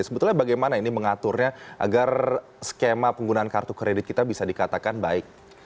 sebetulnya bagaimana ini mengaturnya agar skema penggunaan kartu kredit kita bisa dikatakan baik